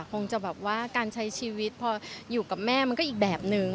คงจะแบบว่าการใช้ชีวิตพออยู่กับแม่มันก็อีกแบบนึง